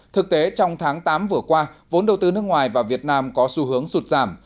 thực tế trong tháng tám vừa qua vốn đầu tư nước ngoài và việt nam có xu hướng sụt giảm